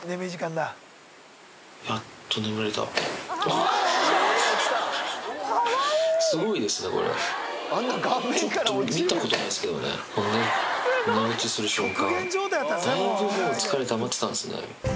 だいぶ疲れたまってたんですね。